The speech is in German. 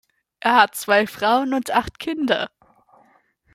Er hat zwei Frauen und acht Kinder.